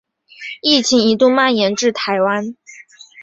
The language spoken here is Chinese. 疫情一度蔓延至台湾。